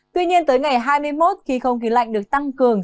tuy nhiên tới ngày hai mươi một khi không khí lạnh được tăng cường